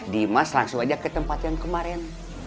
dimas langsung aja ke tempat yang kemarin